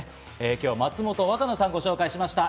今日は松本若菜さんをご紹介しました。